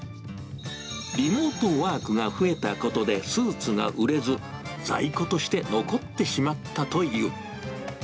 リモートワークが増えたことで、スーツが売れず、在庫として残ってしまったという。